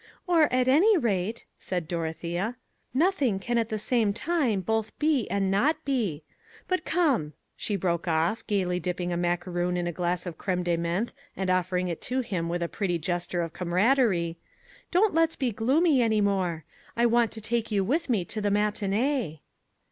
"Or at any rate," said Dorothea, "nothing can at the same time both be and not be. But come," she broke off, gaily dipping a macaroon in a glass of creme de menthe and offering it to him with a pretty gesture of camaraderie, "don't let's be gloomy any more. I want to take you with me to the matinee."